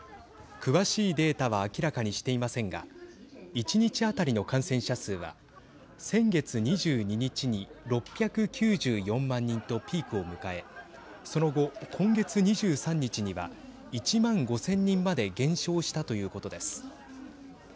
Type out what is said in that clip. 詳しいデータは明らかにしていませんが１日当たりの感染者数は先月２２日に６９４万人とピークを迎えその後、今月２３日には１万５０００人まで減少したということです。